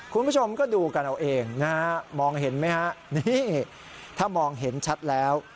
คุณผู้ชมก็ดูกันเอาเองนะฮะมองเห็นไหมฮะนี่ถ้ามองเห็นชัดแล้ว